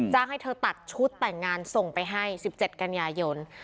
ให้เธอตัดชุดแต่งงานส่งไปให้๑๗กันยายน